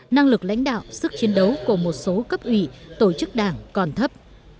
năng lực lãnh đạo sức chiến đấu của một số cấp ủy tổ chức đảng còn thấp